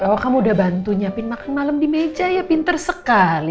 oh kamu udah bantu siapin makan malem di meja ya pinter sekali